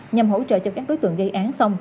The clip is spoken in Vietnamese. nhằm hỗ trợ cho các đối tượng gây án xong